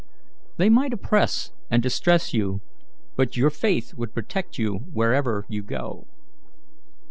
"They might oppress and distress you, but your faith would protect you wherever you might go."